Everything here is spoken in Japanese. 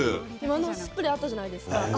スプレーあったじゃないですか。